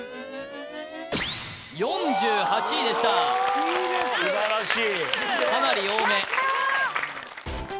４８位でした・素晴らしいかなり多めやった！